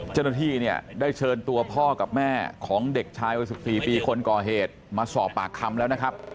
เจ้าหน้าที่เนี่ยได้เชิญตัวพ่อกับแม่ของเด็กชายวัย๑๔ปีคนก่อเหตุมาสอบปากคำแล้วนะครับ